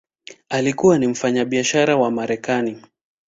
Alikuwa ni mfanyabiashara wa Marekani.